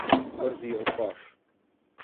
Vrzi jo v koš.